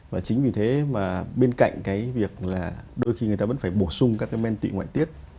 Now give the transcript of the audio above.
và chính vì thế mà bên cạnh cái việc là đôi khi người ta vẫn phải bổ sung các cái men tị ngoại tiết